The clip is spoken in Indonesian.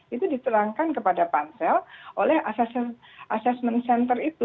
itu ditelankan kepada ponsel oleh assessment center itu